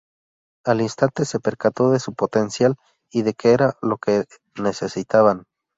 Al instante se percató de su potencial y de que era lo que necesitaban.